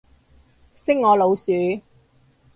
識我老鼠